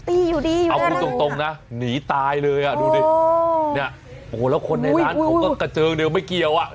เอาพูดตรงนะหนีตายเลยอ่ะดูดิเนี่ยโอ้โหแล้วคนในร้านเขาก็กระเจิงเดียวไม่เกี่ยวอ่ะ